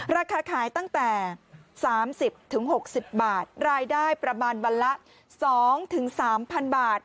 ราคาขายตั้งแต่สามสิบถึงหกสิบบาทรายได้ประมาณวันละสองถึงสามพันบาท